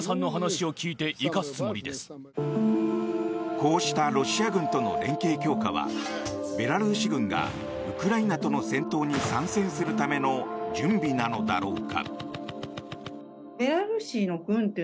こうしたロシア軍との連携強化はベラルーシ軍がウクライナとの戦闘に参戦するための準備なのだろうか。